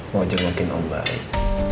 mau aja makin om baik